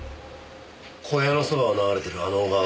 小屋の側を流れてるあの小川。